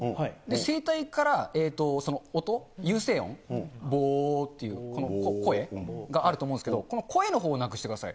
声帯から音、有声音、ぼーっていう、この声があると思うんですけど、この声のほうをなくしてください。